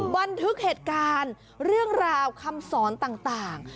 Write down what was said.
บันทึกเหตุการณ์เรื่องราวคำสอนต่าง